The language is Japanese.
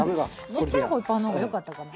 ちっちゃいホイッパーの方がよかったかな。